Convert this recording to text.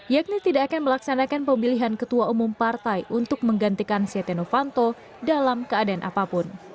yakni tidak akan melaksanakan pemilihan ketua umum partai untuk menggantikan setia novanto dalam keadaan apapun